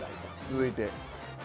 続いて。